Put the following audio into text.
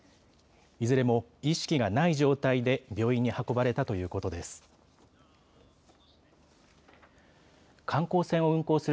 いずれも意識がない状態で病院に運ばれたということです。